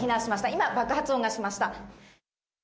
今、爆発音がしました。